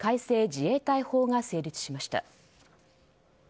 自衛隊法が成立しました。